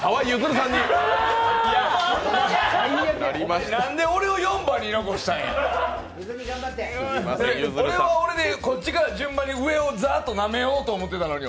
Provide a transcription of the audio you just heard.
なんで俺を４番に残したんや俺は俺でこっちから順番に上からざっとなめよって思ってたのに。